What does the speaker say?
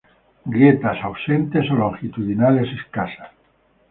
Grietas ausentes o longitudinales escasas.